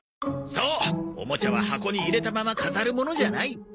そうおもちゃは箱に入れたまま飾るものじゃない。